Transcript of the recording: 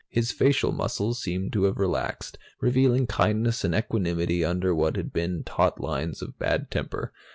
His facial muscles seemed to have relaxed, revealing kindness and equanimity under what had been taut lines of bad temper.